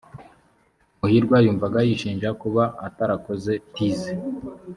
muhirwa yumvaga yishinja kuba atarakoze tize